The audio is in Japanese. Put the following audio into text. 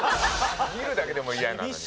見るだけでもイヤなのに。